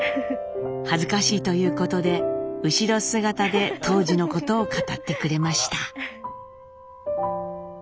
恥ずかしいということで後ろ姿で当時のことを語ってくれました。